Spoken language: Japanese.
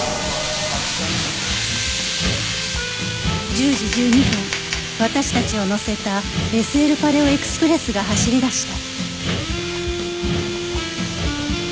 １０時１２分私たちを乗せた ＳＬ パレオエクスプレスが走り出した